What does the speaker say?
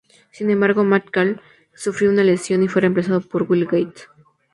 Sin embargo, McCall sufrió una lesión y fue reemplazado por Willie Gates.